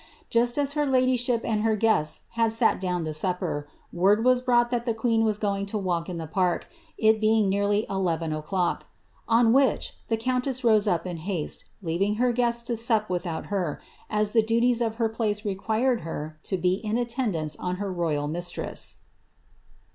Just as her ladyship and her guests had sat down to word was brought that the queen was going to walk in the park,! then near eleven o'clock; on whicli the countess rose up in leaving her guests to sup without her, as the duties of her place r her to be in attendance on Iter royal niitftress.''